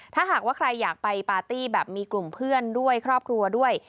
ถ้าหากว่าใครอยากไปปาร์ตี้แบบมีกลุ่มเพื่อนด้วยครอบครัวด้วย